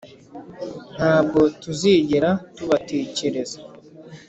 ntabwo tuzigera tubatekereza